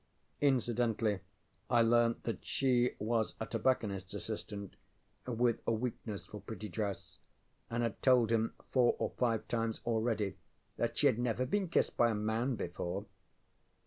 Incidentally I learned that She was a tobacconistŌĆÖs assistant with a weakness for pretty dress, and had told him four or five times already that She had never been kissed by a man before.